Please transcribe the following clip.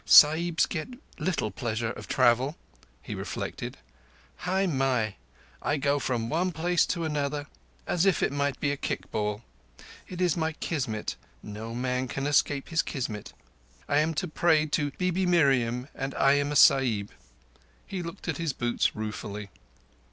"Sahibs get little pleasure of travel," he reflected. "Hai mai! I go from one place to another as it might be a kickball. It is my Kismet. No man can escape his Kismet. But I am to pray to Bibi Miriam, and I am a Sahib." He looked at his boots ruefully.